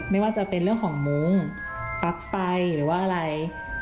ไม่ว่าจะเป็นเรื่องของมุ้งปลั๊กไฟหรือว่าอะไร